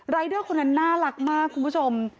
รายเดอร์คนนั้นน่ารักมากคุณผู้ชม